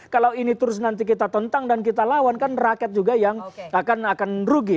kalau ini terus nanti kita tentang dan kita lawan kan rakyat juga yang akan rugi